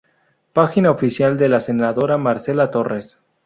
Página oficial de la Senadora Marcela Torres